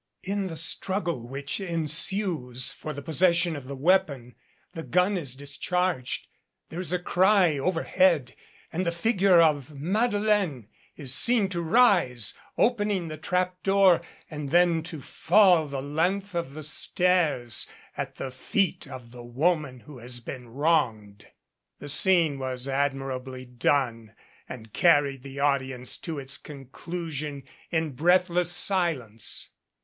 In the struggle which ensues for the possession of the weapon, the gun is discharged, there is a cry overhead and the figure of Madeleine is seen to rise, opening the trap door, and then to fall the length of the stairs, at the feet of the woman who has been wronged. The scene was admirably done and carried the audi ence to its conclusion in breathless silence.